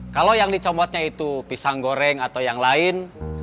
kalau yang dicomotnya itu pisang goreng atau yang lain